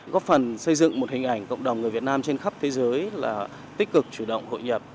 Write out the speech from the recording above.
góp phần xây dựng một hình ảnh cộng đồng người việt nam trên khắp thế giới là tích cực chủ động hội nhập